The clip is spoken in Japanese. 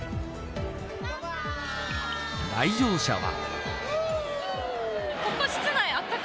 来場者は。